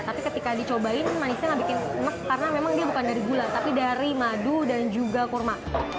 tapi ketika dicobain manisnya nggak bikin emas karena memang dia bukan dari gula tapi dari madu dan juga kurma